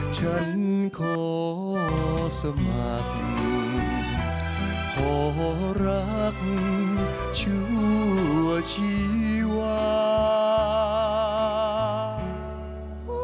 ฉันขอสมัครขอรักชั่วชีวา